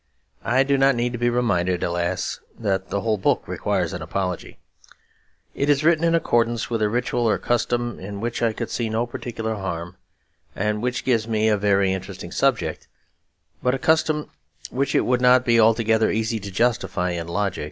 I do not need to be reminded, alas, that the whole book requires an apology. It is written in accordance with a ritual or custom in which I could see no particular harm, and which gives me a very interesting subject, but a custom which it would be not altogether easy to justify in logic.